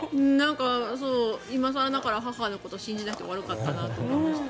今更ながら母のことを信じなくて悪いなと思いました。